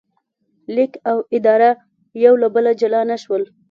لیک او اداره یو له بله جلا نه شول.